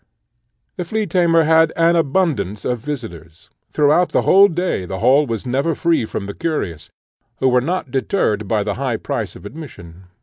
The flea tamer had abundance of visitors. Throughout the whole day the hall was never free from the curious, who were not deterred by the high price of admission.